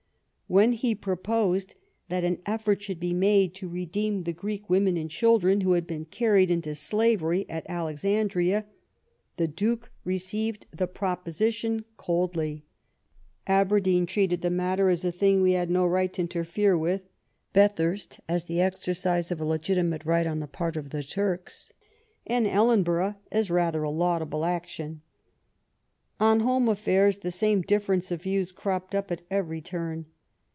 When he proposed that an effort should be made to redeem the Greek women and children who had been carried into slavery at Alexandria, " the Duke received the proposi LORD PALMEB8T0N AND TORYISM. 25 tion coldly; Aberdeen treated the matter as a thing we had no right to interfere with ; fiathurst, as the exercise of a legitimate right on the part of the Turks; and EUenborough, as rather a laudable action." On home affairs the same difference of views cropped up at every turn.